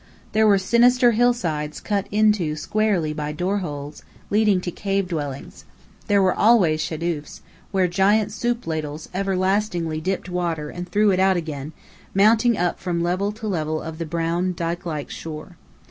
There were sinister hillsides cut into squarely by door holes, leading to cave dwellings. There were always shadoofs, where giant soup ladles everlastingly dipped water and threw it out again, mounting up from level to level of the brown, dyke like shore.